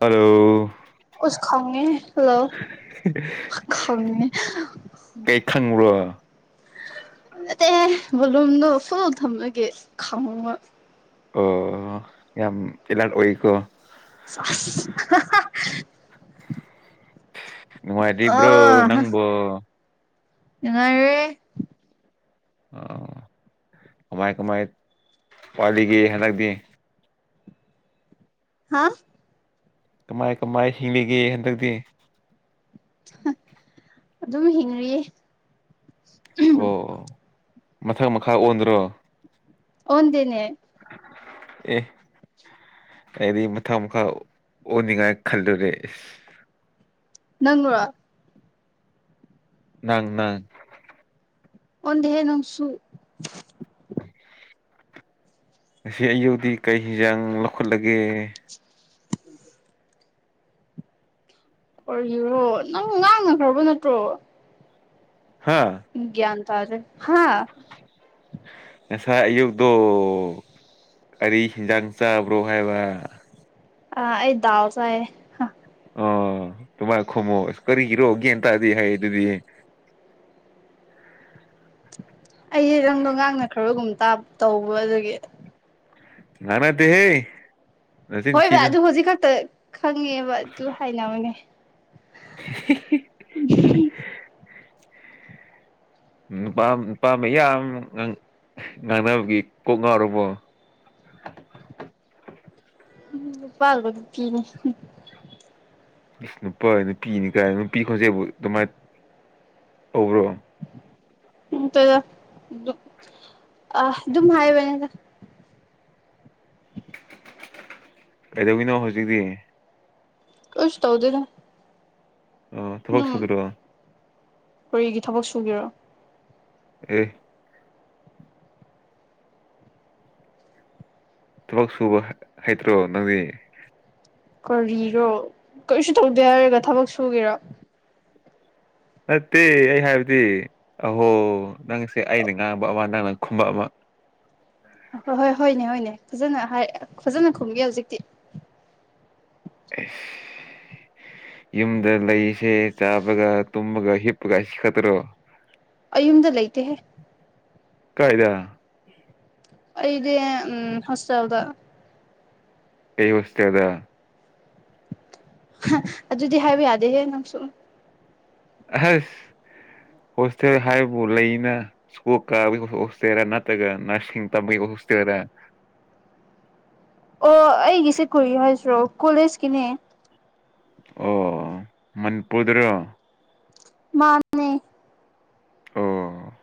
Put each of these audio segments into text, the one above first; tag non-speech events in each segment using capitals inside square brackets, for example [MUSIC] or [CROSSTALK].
hello ꯎ ꯈꯥꯎꯦ ꯂꯂꯣ ꯈꯝꯅꯤ [UNINTELLIGIBLE] ꯑꯗ ꯃꯣꯂꯨꯝꯗꯣ ꯐꯨ ꯊꯝꯃꯒꯦ ꯈꯥꯎꯃ ꯑꯣ ꯌꯥꯝ ꯏꯥꯏ ꯑꯣꯍꯤꯈꯣ ꯑꯁ ꯅꯨꯡꯉꯥꯏꯗꯤ ꯏꯕ꯭ꯔꯣ ꯅꯪꯕꯨꯣ ꯌꯦꯉꯥꯏꯦ ꯑ ꯀꯃꯥꯏ ꯀꯃꯥꯏ ꯄꯂꯤꯒꯦ ꯍꯟꯗꯛꯇꯤ ꯍꯥ ꯀꯃꯥꯏ ꯀꯃꯥꯏ ꯍꯤꯡꯂꯤꯒꯦ ꯍꯟꯗꯛꯇꯤ ꯑꯗꯨꯝ ꯍꯤꯡꯔꯤꯌꯦ ꯑꯣ ꯃꯊꯪ ꯃꯈꯥ ꯑꯣꯟꯗ꯭ꯔꯣ ꯑꯣꯟꯦꯅꯦ ꯑꯦ ꯑꯩꯗꯤ ꯃꯊꯪ ꯃꯈꯥ ꯑꯣꯅꯤꯡꯉꯥꯏ ꯈꯜꯂꯨꯔꯦ ꯅꯪꯥ ꯅꯪ ꯅꯪ ꯑꯣꯟ ꯍꯦꯅꯁꯨꯨ [UNINTELLIGIBLE] ꯑꯁꯤ ꯑꯌꯧꯗꯤ ꯀꯩ ꯍꯤꯖꯥꯡ ꯂꯧꯈꯠꯂꯒꯦ ꯑꯣꯏꯔꯣ ꯅꯪ ꯉꯥꯡꯅꯈ꯭ꯔꯕ ꯅꯠꯇ꯭ꯔꯣ ꯍꯥ ꯭ꯟ ꯇꯥꯔꯦ ꯍꯥꯥ ꯉꯁꯥꯏ ꯑꯌꯨꯕꯗ ꯀꯔꯤ ꯍꯤꯟꯖꯥꯡ ꯆꯥꯕ꯭ꯔꯣ ꯍꯥꯏꯕ ꯑ ꯑꯩꯗꯥꯎꯁꯑ ꯑ ꯑꯗꯨꯨꯃꯥꯏ ꯈꯨꯝꯃꯣ ꯑ ꯀꯔꯤ ꯏꯔꯛꯑꯣꯒꯦꯇꯥꯗꯤ ꯍꯥꯏ ꯑꯗꯨꯗꯤ ꯑꯩꯁꯦ ꯅꯪꯗꯣ ꯉꯥꯡꯅ ꯈꯔꯒꯨꯝ ꯇꯧꯕ ꯑꯗꯨꯒꯤ ꯉꯅꯥ ꯇꯍꯦ ꯍꯣꯏꯕ ꯑꯗꯨ ꯍꯧꯖꯤꯛ ꯈꯛꯇ ꯈꯪꯉꯦꯕ ꯑꯗꯨ ꯍꯥꯏꯅꯕꯅꯦ ꯎ ꯄ ꯏꯄꯥ ꯌꯥ ꯉꯥꯡꯅꯕꯒꯤ ꯀꯣꯛ ꯉꯥꯎꯔꯨꯕꯣ ꯎ ꯄꯜꯕ ꯀ ꯅꯨꯄꯥ ꯅꯨꯄꯤꯅꯤ ꯀꯥꯏ ꯅꯨꯄꯤ ꯈꯣꯟꯖꯦꯕꯨ ꯑꯗꯨꯃꯥꯏꯅ ꯇ꯭ꯔꯣ ꯎ ꯑ ꯑꯗꯨꯝ ꯍꯥꯏꯕꯅꯦꯗ [UNINTELLIGIBLE] ꯀꯩꯗꯧꯒꯤꯅꯣ ꯍꯧꯖꯤꯛꯇꯤ ꯀꯁ ꯇꯧꯗꯅ ꯑꯣ ꯊꯕꯛ ꯑꯗꯨꯝ ꯁꯨꯗ꯭ꯔꯣ ꯀꯔꯤꯒꯤ ꯊꯕꯛ ꯁꯨꯒꯦꯔꯣ ꯑꯦ ꯊꯕꯛ ꯁꯨꯕ ꯍꯩꯇ꯭ꯔꯣ ꯅꯪꯗꯤ ꯀꯔꯤꯔꯣ ꯀꯔꯤꯁꯨ ꯇꯧꯗꯦ ꯍꯥꯏꯔꯒ ꯊꯕꯛ ꯁꯨꯒꯦꯔꯥ ꯅꯠꯇꯦ ꯑꯩ ꯍꯥꯏꯕꯗꯤ ꯑꯍꯣ ꯅꯪꯁꯦ ꯑꯩꯅ ꯉꯥꯡꯕ ꯑꯃ ꯅꯪꯅꯪ ꯈꯨꯝꯕ ꯑꯃ ꯎ [INAUDIBLE] ꯍꯣꯏ ꯍꯣꯏ ꯍꯣꯏꯅꯦ ꯍꯣꯏꯅꯦ ꯐꯖꯅ ꯍꯥꯏ ꯐꯖꯅ ꯈꯨꯝꯒꯦ ꯍꯧꯖꯤꯛꯇꯤ ꯑꯦꯁ ꯌꯨꯝꯗ ꯂꯩꯁꯦ ꯆꯥꯕꯒ ꯇꯨꯝꯕꯒ ꯍꯤꯞ ꯀꯁꯤ ꯈꯇ꯭ꯔꯣ ꯑꯩꯌꯨꯝꯗ ꯂꯩꯇꯦꯍꯦ ꯀꯥꯏꯗ ꯑꯩꯒꯤ ꯍꯣꯁꯇꯦꯦꯜꯗ ꯑꯩ ꯍꯧꯁꯦ ꯑꯗ ꯑꯗꯨꯗꯤ ꯍꯥꯏꯕ ꯌꯥꯗꯦꯍꯦ ꯅꯪꯁꯨꯨꯝ ꯑꯁ ꯍꯣꯁꯇꯦꯜ ꯍꯥꯏꯕꯕꯨ ꯂꯩꯅ ꯁ꯭ꯀꯨꯜ ꯀꯥꯕꯒꯤ ꯍꯣꯁꯇꯦꯜ ꯅꯠꯇ꯭ꯔꯒ ꯅꯔꯁꯤꯡ ꯇꯝꯕꯒꯤ ꯍꯣꯁꯇꯦꯜ ꯂꯥ ꯑꯣ ꯑꯩꯒꯤꯁꯦ ꯀꯨꯏ ꯍꯥꯏꯁꯤ꯭ꯔꯣ ꯀꯣꯂꯦꯖꯀꯤꯅꯦ ꯑꯣ ꯃꯅꯤꯄꯨꯔꯗ꯭ꯔ ꯃꯥꯅꯦ ꯑꯣ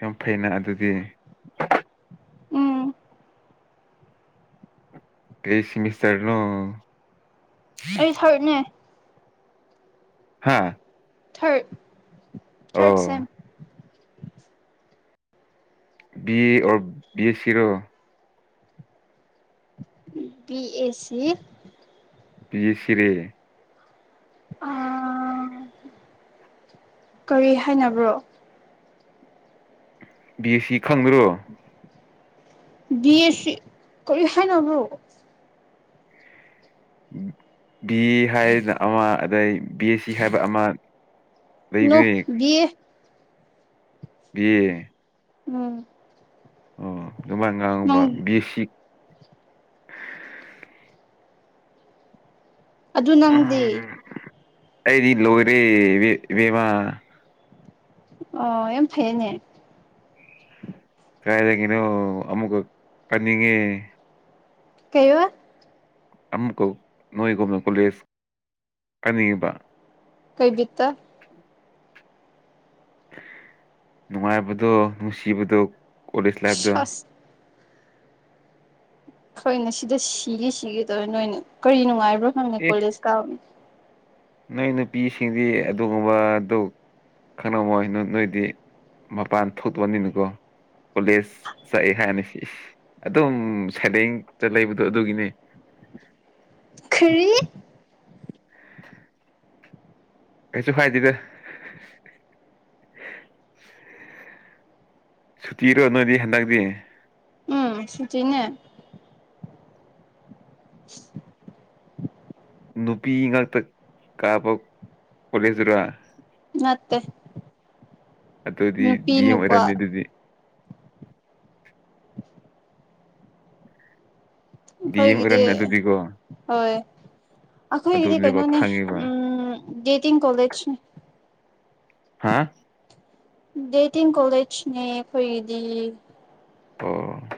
ꯌꯥꯝ ꯐꯩꯩꯅ ꯑꯗꯨꯗꯤ ꯎꯝ ꯀꯦꯁꯤꯃꯤꯁꯔꯅꯣ ꯑꯩ ꯁꯔꯅꯦ ꯍꯥꯥ ꯊꯔ ꯊꯔꯠ ꯁꯦꯝ ꯕꯤꯑ ꯑꯣ ꯕꯤ ꯑꯦꯁ ꯁꯤꯔꯣ ꯕꯤ ꯑꯦꯁ ꯁꯤ ꯃꯤꯤꯁꯔꯤ ꯑ ꯀꯔꯤ ꯍꯥꯏꯅꯕ꯭ꯔꯣ ꯕꯤ ꯁꯤ ꯈꯪꯗ꯭ꯔꯣ ꯕꯤ ꯑꯦꯁ ꯁꯤ ꯀꯔꯤ ꯍꯥꯏꯅꯅꯕ꯭ꯔꯣ ꯕꯤ ꯑꯦ ꯍꯥꯏꯅ ꯑꯃ ꯑꯗꯩ ꯕꯤ ꯑꯦꯁ ꯁꯤ ꯍꯥꯏꯕ ꯑꯃ ꯅꯑꯣ ꯂꯩꯕꯅꯦ ꯕꯤ ꯑꯥ ꯌꯦ ꯎꯝ ꯑꯣ ꯑꯗꯨꯃꯥꯏ ꯉꯥꯡꯕ ꯅꯪ ꯕꯤꯁꯤꯛ ꯑꯗꯨ ꯅꯪꯗꯤ ꯑꯩꯗꯤ ꯂꯣꯏꯔꯦ ꯏꯕꯦꯝꯃꯥ ꯑꯣ ꯑꯦꯝ ꯐꯩꯅꯦ ꯀꯥꯏꯔꯒꯩꯅꯣ ꯑꯃꯃꯛ ꯀꯟꯅꯉ ꯀꯩꯕꯥ ꯑꯃꯨꯛꯀꯥꯅꯣꯏꯒꯣ ꯀꯣꯂꯦꯁ ꯑꯅꯤꯕ ꯀꯩꯕꯤꯠꯇ ꯎꯝ ꯅꯨꯡꯉꯥꯏꯕꯗꯣ ꯅꯨꯡꯁꯤꯕꯗꯣ ꯀꯣꯂꯦꯖ ꯂꯥꯏꯐꯇ ꯑꯁ ꯍꯈꯣꯏꯅꯦ ꯁꯤꯗ ꯁꯤꯒꯤ ꯁꯤꯒꯗꯧꯔꯦ ꯅꯣꯏꯅ ꯀꯔꯤ ꯅꯨꯡꯉꯥꯏꯕ꯭ꯔꯣ ꯈꯪꯉ ꯑꯦ ꯀꯣꯂꯦꯖ ꯀꯥꯎꯅꯤ ꯅꯣꯏ ꯅꯨꯄꯤꯁꯤꯡꯗꯤ ꯑꯗꯨꯒꯨꯝꯕꯗꯨ ꯈꯪꯉꯝꯃꯣꯏ ꯅꯣꯏꯗꯤ ꯃꯄꯥꯟ ꯊꯣꯛꯄꯅꯤꯅꯀꯣ ꯀꯣꯂꯤꯁ ꯁꯩ ꯍꯥꯏꯅꯤ ꯑꯗꯨꯝ ꯁꯥꯏꯂꯦꯡꯗ ꯂꯩꯕꯗꯣ ꯑꯗꯨꯒꯤꯅꯦ ꯈꯔꯤ ꯀꯁꯨ ꯀꯥꯏꯏꯗꯦꯗ ꯁꯨꯇꯤꯔꯣ ꯅꯣꯏꯗꯤ ꯍꯟꯗꯛꯇꯤ ꯁꯤꯆꯅꯦ [UNINTELLIGIBLE] ꯅꯨꯄꯤ ꯉꯥꯛꯇ ꯀꯥꯕ ꯀꯂꯦꯁꯤꯔꯥ ꯅꯠꯇꯦ ꯑꯇꯣꯗꯤ ꯝ ꯅꯨꯄꯤ ꯅꯨꯄꯥ ꯑꯣꯏꯔꯗꯗꯤ ꯗꯤ ꯑꯦꯝ ꯑꯩꯈꯣꯏꯒꯤꯗꯤ ꯑꯣꯏꯔꯝꯅꯤ ꯑꯗꯨꯗꯤꯀꯣ ꯍꯣꯏ ꯑꯩꯈꯣꯏꯒꯤꯗꯤ ꯑꯗꯨꯅꯦꯕ ꯀꯩꯅꯣꯅꯦ ꯈꯪꯉꯤꯕ ꯎꯝ ꯦꯇꯤꯡ ꯀꯣꯂꯦꯖꯅꯦ ꯍꯥꯥ ꯗꯦꯇꯤꯡ ꯀꯣꯂꯦꯖꯅꯦ ꯐꯣꯏꯗꯤ ꯑꯣ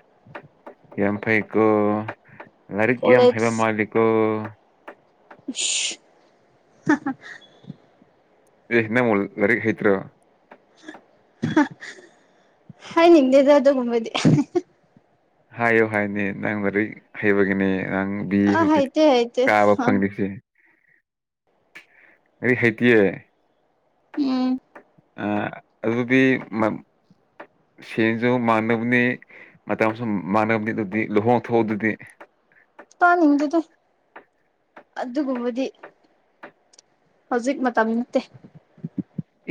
ꯌꯥꯝ ꯐꯩꯀꯣ ꯂꯥꯏꯔꯤꯛ ꯌꯥꯝ ꯐꯩꯕ ꯀꯣꯂꯦꯖ ꯃꯥꯜꯂꯤꯀꯣ [UNINTELLIGIBLE] ꯑꯦ ꯍꯅ ꯃꯣꯜ ꯂꯔꯤꯛ ꯍꯩꯇ꯭꯭ꯔꯣ ꯍꯥꯏꯅꯤꯡꯗꯦꯗ ꯇ ꯀꯕꯗꯤ ꯍꯥꯏꯌꯨ ꯍꯥꯏꯅꯦ ꯅꯪ ꯛ ꯍꯩꯕꯒꯤꯅꯦ ꯑꯔꯥꯡꯕꯤ ꯑ ꯍꯧꯖꯤꯛ ꯍꯩꯇꯦ ꯍꯩꯇꯦ ꯀꯥꯕ ꯑ ꯐꯪꯗ꯭ꯁꯦ ꯑꯩ ꯈꯦꯇꯦ ꯎꯝ ꯑ ꯑꯗꯨꯗꯤ ꯁꯦꯟꯁꯨ ꯃꯥꯟꯅꯕꯅꯤ ꯃꯇꯝꯁꯨ ꯃꯥꯟꯅꯕꯅꯤ ꯑꯗꯨꯗꯤ ꯂꯨꯍꯣꯡꯊꯑ ꯑꯗꯨꯗꯤ [UNINTELLIGIBLE] ꯇꯥꯅꯤꯡꯗꯨꯗ ꯑꯗꯨꯒꯨꯝꯕꯗꯤ ꯍꯧꯖꯤꯛ ꯃꯇꯝꯗꯤ ꯅꯠꯇꯦ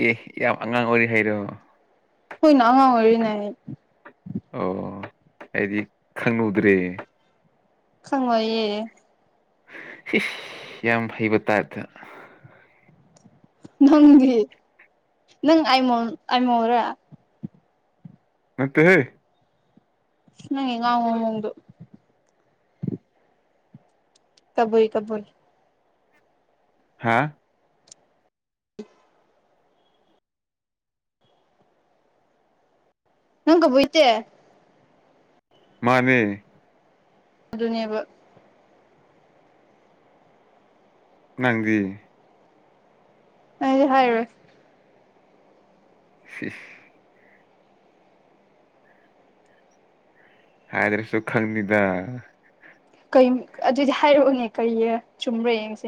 ꯑꯦ ꯌꯥꯝ ꯑꯉꯥꯡ ꯑꯣꯏꯔꯤ ꯍꯥꯏꯔꯣ ꯍꯣꯏ ꯉꯥꯎ ꯑꯣꯏꯔꯤꯅꯦꯏ ꯑꯣ ꯑꯩꯗꯤ ꯈꯪꯅꯨꯗ꯭ꯔꯦ ꯈꯪꯉꯌꯦꯦ ꯌꯥꯝ ꯍꯩꯕ ꯇꯔꯗ ꯅꯪꯒꯤ ꯅꯪꯃꯣꯟ ꯑꯥꯏꯃꯣꯟꯔ ꯅꯠꯇꯦꯍꯦ ꯎꯉꯉ ꯎꯣ ꯀꯕꯨꯏ ꯀꯕꯨꯏ ꯍꯥꯥ [UNINTELLIGIBLE] ꯉꯪ ꯀꯕꯨꯣꯏꯇꯦ ꯃꯥꯅꯦ ꯑꯗꯨ ꯑꯗꯨ ꯅꯕ ꯅꯪꯒꯤ ꯑꯩꯗꯤ ꯍꯥꯏꯔꯦ ꯁꯤ ꯍꯥꯏ꯭ꯔꯦ ꯁꯨꯈꯪꯅꯤꯗ ꯑꯗꯨꯗꯤ ꯍꯥꯏꯔꯛꯎꯅꯦ ꯀꯩ ꯆꯨꯝꯕ꯭ꯔ ꯌꯦꯡꯁꯦ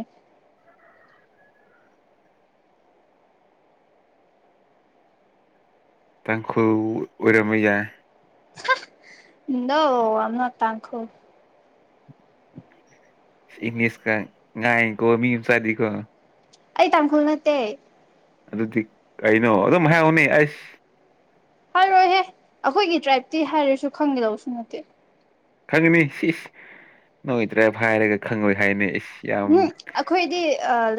ꯇꯥꯡꯈ ꯑꯣꯏꯔꯝꯏ ꯅ ꯑꯃ ꯇꯈ ꯏꯪꯂꯤꯁ ꯀ ꯉꯏ ꯀꯣ ꯃꯤꯁꯗꯤ ꯀꯣ ꯑꯩ ꯇꯥꯡꯈꯨꯜ ꯅꯠꯇꯦ ꯑꯗꯨꯗꯤ ꯀꯩꯅꯣ ꯑꯗꯨꯝ ꯍꯥꯏ ꯎꯅꯤ ꯑꯁ ꯍꯥꯏꯔꯣꯏꯍꯦ ꯑꯩꯈꯣꯏꯒꯤ ꯇ꯭ꯔꯥꯏꯞꯇꯤ ꯍꯥꯏꯔꯁꯨ ꯈꯪꯒꯦꯗꯧꯕꯁꯨ ꯅꯠꯇꯦ ꯈꯪꯉꯅꯤ ꯏꯁ ꯅꯉꯣꯏꯇ꯭ꯔꯥ ꯍꯥꯏꯔꯒ ꯈꯪꯉꯣꯏ ꯍꯥꯏꯅꯤ ꯏꯁ ꯌꯥꯝ ꯎꯝ ꯑꯩꯈꯣꯏꯗꯤ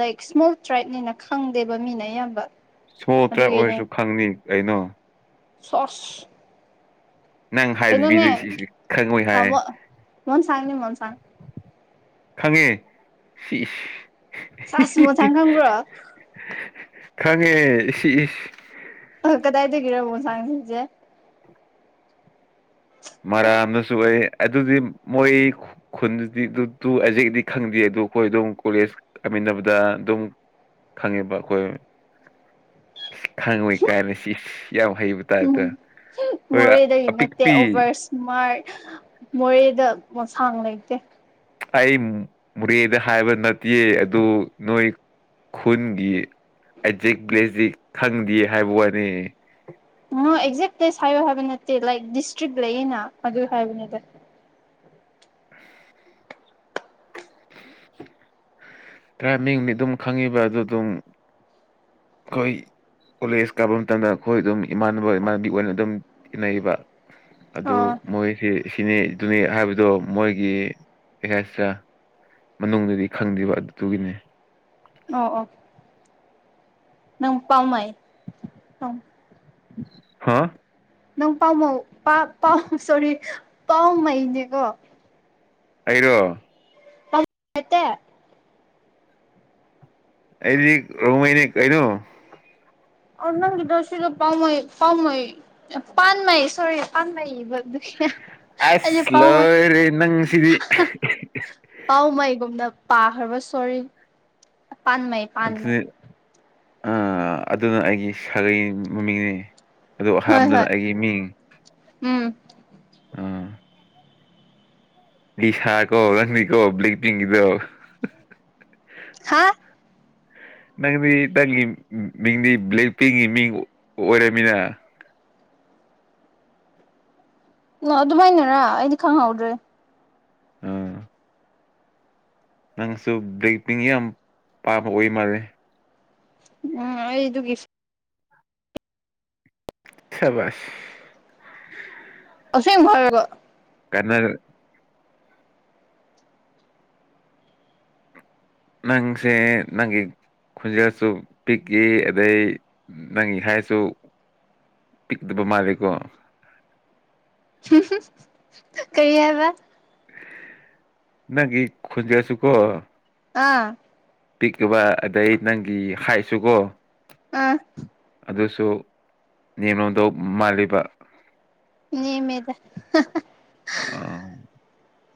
ꯂꯥꯏꯛ ꯏꯁꯃꯣꯜ ꯇ꯭ꯔꯥꯏꯞꯅꯦꯅ ꯈꯪꯗꯦꯕ ꯃꯤꯅ ꯑꯌꯥꯝꯕ ꯁꯣꯇ꯭ꯔꯥ ꯑꯣꯏꯔꯁꯨ ꯈꯪꯅꯤ ꯀꯩꯅꯣ ꯆꯁ ꯅꯪ ꯍꯥꯏꯕꯤꯗ ꯁꯤ ꯈꯪꯉꯣꯏ ꯍꯥꯏ ꯑꯃ ꯃꯣꯟꯁꯥꯡꯅꯤ ꯃꯣꯟꯁꯥꯡ ꯈꯪꯉꯦ ꯁꯥꯁ ꯃꯣꯟꯁꯥꯡ ꯈꯪꯕ꯭ꯔꯣ ꯈꯪꯉꯦ ꯏ ꯏ ꯑ ꯀꯗꯥꯥꯏꯗ ꯀꯔ ꯁꯖꯦ ꯃꯥꯔ ꯑꯗꯁꯨꯥꯏ ꯑꯗꯨꯗꯤ ꯃꯣꯏ ꯈꯨꯟꯗꯤ ꯑꯗꯨ ꯑꯦꯖꯤꯛꯗꯤ ꯈꯪꯗꯦ ꯑꯗꯨ ꯑꯩꯈꯣꯏ ꯑꯗꯨꯝ ꯀꯣꯂꯦꯖ ꯇꯕꯗ ꯑꯗꯨꯝ ꯈꯪꯉꯦꯕ ꯑꯩꯈꯣꯏ ꯈꯪꯣꯏ ꯀꯥꯏꯅ ꯁꯤ ꯀꯌꯥ ꯍꯩꯕ ꯇꯥꯏ ꯇ ꯎꯝ ꯍꯣꯏ ꯑꯄꯤꯛꯄꯤ ꯁꯨꯃꯔ ꯃꯣꯔꯦꯗꯁꯥꯡ ꯂꯩꯇꯦ ꯑꯩ ꯃꯣꯔꯦꯗ ꯍꯥꯏꯕ ꯅꯠꯇꯦ ꯑꯗꯨ ꯅꯣꯏ ꯈꯨꯟꯒꯤ ꯑꯦꯖꯦꯛ ꯕ꯭ꯂꯦꯖꯤꯛ ꯈꯪꯗꯦ ꯍꯥꯏꯕ ꯋꯥꯅꯤ ꯑꯣ ꯑꯦꯛꯖꯦꯛ ꯄ꯭ꯂꯦꯁ ꯍꯥꯏꯌꯣ ꯍꯥꯏꯕ ꯅꯠꯇꯦ ꯂꯥꯏꯛ ꯗꯤꯁꯇ꯭ꯔꯤꯛ ꯂꯩꯌꯦꯅ ꯑꯗꯨ ꯍꯥꯏꯕꯅꯤꯗ [UNINTELLIGIBLE] ꯇꯔꯥ ꯃꯤ ꯍꯅꯤ ꯑꯗꯨꯝ ꯈꯪꯉꯤꯕ ꯑꯗꯨ ꯑꯗꯨꯝ ꯀꯣꯏ ꯀꯣꯂꯦꯖ ꯀꯥꯕ ꯃꯇꯝꯗ ꯑꯩꯈꯣꯏ ꯑꯗꯨꯝ ꯏꯃꯥꯟꯅꯕ ꯏꯃꯥꯟꯅꯕꯤ ꯑꯣꯏꯅ ꯑꯗꯨꯝ ꯏꯤꯟꯅꯩꯌꯦꯕ ꯑꯗꯨ ꯑꯣ ꯃꯣꯏꯁꯤ ꯑꯁꯤꯅꯤ ꯑꯗꯨꯅꯤ ꯍꯥꯏꯕꯗꯣ ꯃꯣꯏꯒꯤ ꯑꯦꯁꯇ ꯃꯅꯨꯡꯗꯗꯤ ꯈꯪꯗ꯭ꯕ ꯑꯗꯨꯗꯨꯒꯤꯅꯤ ꯑꯣ ꯑꯣ ꯅꯪ ꯄꯥꯎꯃꯥꯏ ꯑ ꯍꯥꯥ ꯅꯪ ꯄꯥꯎ ꯄꯥꯎ ꯁꯣꯔꯤ ꯄꯥꯎꯃꯩꯅꯦꯀꯣ ꯑꯩꯔꯣ ꯈꯠꯇ ꯑꯩꯗꯤ ꯔꯧꯃꯩꯅꯤ ꯀꯩꯅꯩꯅꯣ ꯑꯣ ꯅꯪꯒꯤꯗꯣ ꯁꯤꯗꯣ ꯄꯥꯝꯩ ꯄꯥꯝꯃꯩ ꯄꯥꯟꯉꯩ ꯁꯣꯔꯤ ꯄꯥꯟꯩꯕꯗꯨꯒꯤ ꯑ ꯑꯁ ꯄꯥꯎꯃ ꯂꯣꯏꯔꯦ ꯅꯪꯁꯤꯗꯤ ꯄꯥꯎꯃꯥꯏ ꯨꯨꯝꯗ ꯄꯥꯈ꯭ꯔꯕ ꯁꯣꯔꯤ ꯄꯥꯟꯩ ꯄꯥꯟꯩ ꯑ ꯑꯗꯨꯅ ꯑꯩꯒꯤ ꯁꯥꯒꯩ ꯃꯃꯤꯡꯅꯦ ꯑꯗꯨ ꯍꯣꯏ ꯑꯍꯥꯟꯕꯗꯅ ꯍꯣꯏ ꯑꯩꯒꯤ ꯃꯤꯡ ꯎꯝ ꯑꯥ ꯁꯥ ꯀꯣ ꯔꯪꯃꯤ ꯀꯣ ꯄꯕ꯭ꯂ ꯄꯤꯗꯣ ꯍꯥꯥ ꯅꯪꯗꯤ ꯅꯪꯒꯤ ꯃꯤꯡꯗꯤ ꯕ꯭ꯂꯦꯛ ꯄꯤꯡꯒꯤ ꯃꯤꯡ ꯑꯣꯏꯔꯃꯤꯅ ꯅ ꯑꯗꯨꯃꯥꯏꯅꯔ ꯑꯩꯗꯤ ꯈꯪꯍꯧꯗ꯭ꯔꯦ ꯑꯥ ꯅꯪꯁꯨ ꯕꯦꯛ ꯄꯤꯡ ꯌꯥꯝ ꯄꯥꯝꯕ ꯑꯣꯏ ꯃꯥꯜꯂꯦ ꯎꯝ ꯑꯩꯗꯨꯒꯤ ꯆꯕꯁ ꯑ ꯃꯔꯒ ꯀꯅꯥ ꯅꯪꯁꯦ ꯅꯪ ꯈꯨꯟꯖꯦꯜꯁꯨ ꯄꯤꯛꯏ ꯑꯗꯩ ꯅꯪ ꯍꯥꯏꯁꯨ ꯄꯤꯛꯗꯕ ꯃꯥꯥꯔꯀꯣ ꯀꯔꯤ ꯍꯥꯏꯕ ꯅꯪꯒꯤ ꯈꯟꯖꯁꯨ ꯀꯣ ꯑꯥ ꯄꯤꯛꯕ ꯑꯗꯩ ꯅꯪꯒꯤ ꯍꯥꯏꯁꯨꯀꯣ ꯑ ꯑꯗꯨꯁꯨ ꯅꯦꯝꯅꯣꯗꫭ ꯃꯥꯜꯂꯤꯕ ꯅꯦꯝꯃꯦꯗ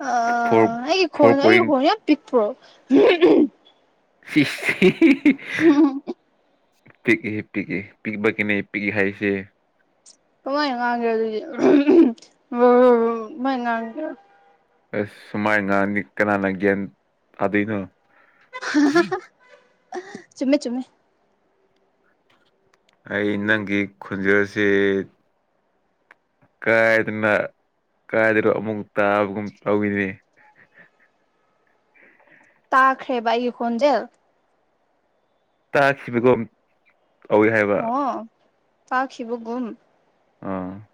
ꯑ ꯐꯣꯔ ꯑꯩꯒꯤ ꯐꯣꯔ ꯈꯣꯟ ꯑꯩꯒꯤ ꯄꯣꯏꯟ ꯈꫭꯟ ꯌꯥꯝ ꯄꯤꯛ ꯄ꯭ꯔꫭ ꯁꯤꯁ [UNINTELLIGIBLE] ꯄꯤꯛꯏ ꯄꯤꯛꯏ ꯄꯤꯛꯕꯒꯤꯅꯦ ꯄꯤꯛꯏ ꯍꯥꯏꯁꯦ ꯀꯃꯥꯏꯅ ꯉꯥꯡꯒꯦꯔ ꯑꯗꯨꯗꯤ [UNINTELLIGIBLE] ꯃꯥꯏꯉꯥꯡꯒꯦꯔ ꯑꯁ ꯁꯨꯃꯥꯏꯅ ꯉꯥꯡꯗꯤ ꯀꯅꯥꯅ ꯒ꯭ꯌꯥꯟ ꯇꯥꯗꯣꯏꯅꯣ ꯆꯨꯝꯃꯦ ꯆꯨꯝꯃꯦ ꯑꯩ ꯅꯪꯒꯤ ꯈꯨꯟꯖꯁꯤ ꯀꯥꯏꯗꯅ ꯀꯥꯏꯗꯅꯣ ꯑꯃꯨꯛ ꯇꯥꯕꯒꯨꯝ ꯇꯧꯏꯅꯦ [INAUDIBLE] ꯇꯥꯈ꯭ꯔꯦꯕ ꯑꯩ ꯈꯣꯟꯖꯦꯜ ꯇꯥꯈꯤꯕꯒꯨꯝ ꯇꯧꯋꯦ ꯍꯥꯏꯕ ꯑꯣ ꯇꯥꯈꯤꯕꯒꯨꯝ ꯑꯥ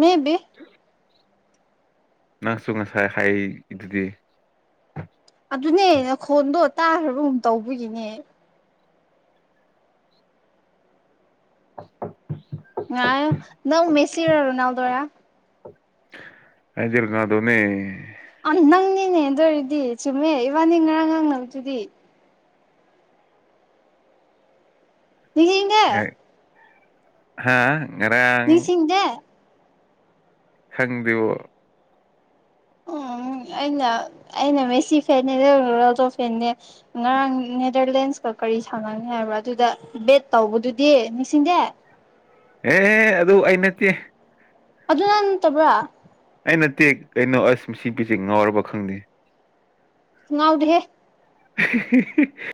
ꯃꯦꯕꯤ ꯅꯪꯁꯨ ꯉꯁꯥꯏ ꯍꯥꯏ ꯗꯨꯗꯤ ꯑꯗꯨꯅꯦꯅ ꯈꯣꯟꯗꯣ ꯇꯥꯈ꯭ꯔꯕꯒꯨꯝ ꯇꯧꯕꯒꯤꯅꯦ ꯅꯪ ꯃꯦꯁꯤꯔꯣ ꯔ ꯔꫭꯅꯥꯜꯗꫭꯔ ꯑꯩꯗꯤ ꯔꫭꯅꯥꯜꯗꯣꯅꯦ ꯑ ꯅꯪꯅꯤꯅꯦ ꯑꯗꯨ ꯑꯣꯏꯔꯗꯤ ꯆꯨꯝꯃꯦ ꯏꯕꯥꯅꯤ ꯉꯔꯥꯡ ꯉꯥꯡꯅꯕꯅꯕꯗꯨꯗꯤ [UNINTELLIGIBLE] ꯍꯥꯥ ꯅꯤꯡꯁꯤꯡꯗꯦ ꯈꯪꯗꯤꯕꯣ [INAUDIBLE] ꯎꯝ ꯑꯩꯅ ꯑꯩꯅ ꯃꯦꯁꯤ ꯐꯦꯟꯅꯦ ꯅꯪ ꯔꯣꯅꯥꯜꯗꫭ ꯐꯦꯟꯅꯦ ꯉꯔꯥꯡ ꯅꯦꯗꫪꯂꯦꯟꯁꯀ ꯀꯔꯤ ꯁꯥꯟꯅꯅꯤ ꯍꯥꯏꯕ꯭ꯔ ꯑꯗꯨꯗ ꯕꯦꯠ ꯇꯧꯕꯗꯨꯗꯤ ꯅꯤꯡꯁꯤꯡꯗꯦ ꯑꯦ ꯑꯗꯨ ꯑꯩ ꯅꯠꯇꯦ ꯑꯗꯨ ꯅꯪ ꯅꯠꯇꯕ꯭ꯔ ꯑꯩ ꯅꯠꯇꯦ ꯀꯩꯅꯣ ꯑꯁ ꯃꯁꯤ ꯄꯤꯁꯦ ꯉꯥꯎꯔꯕ ꯈꯪꯗꯦ ꯉꯥꯎꯗꯦꯍꯦ [UNINTELLIGIBLE]